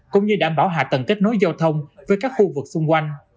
cũng như đảm bảo hạ tầng kết nối giao thông với các khu vực xung quanh